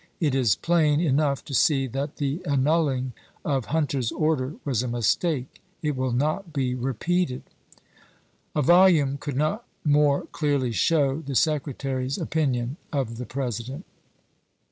It is plain enough to see that the an "Life of s^.' nulling of Hunter's order was a mistake. It will ■p. 3n!' not be repeated." A volume could not more clearly show the Secretary's opinion of the President.